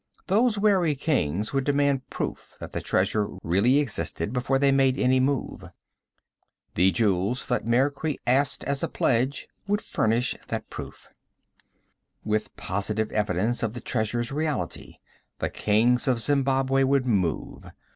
Those wary kings would demand proof that the treasure really existed before they made any move. The jewels Thutmekri asked as a pledge would furnish that proof. With positive evidence of the treasure's reality, the kings of Zembabwei would move.